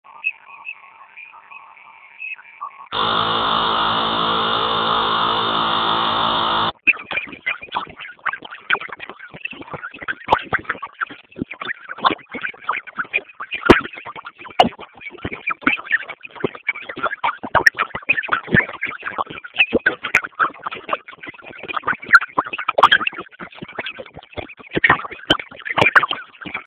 Siasa iyi masiku ilisha kuya ya kufungishishana